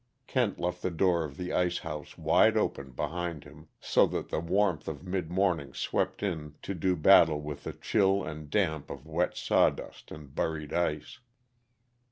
Kent left the door of the ice house wide open behind him, so that the warmth of mid morning swept in to do battle with the chill and damp of wet sawdust and buried ice.